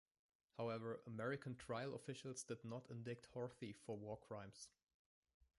However, American trial officials did not indict Horthy for war crimes.